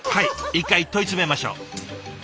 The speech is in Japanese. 一回問い詰めましょう。